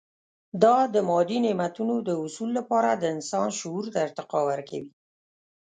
دا د مادي نعمتونو د حصول لپاره د انسان شعور ته ارتقا ورکوي.